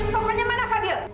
pokoknya mana fadil